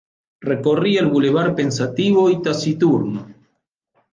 Recorría el bulevar pensativo y taciturno